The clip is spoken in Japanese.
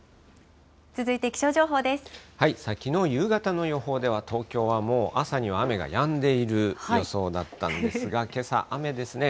きのう夕方の予報では、東京はもう、朝には雨がやんでいる予想だったんですが、けさ、雨ですね。